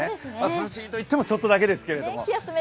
涼しいと言っても、ちょっとだけですけれども。